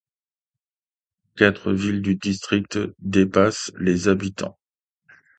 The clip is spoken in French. Quatre villes du district dépassent les habitants.